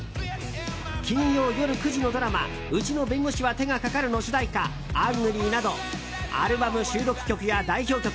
金曜夜９時のドラマ「うちの弁護士は手がかかる」の主題歌「アングリー」などアルバム収録曲や代表曲